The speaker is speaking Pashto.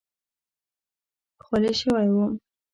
خولې شوی وم.